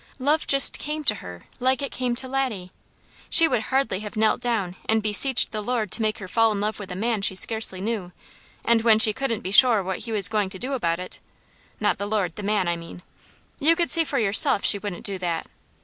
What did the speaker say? Love just came to her, like it came to Laddie. She would hardly have knelt down and beseeched the Lord to make her fall in love with a man she scarcely knew, and when she couldn't be sure what he was going to do about it not the Lord, the man, I mean. You could see for yourself she wouldn't do that.